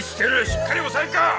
しっかり押さえんか！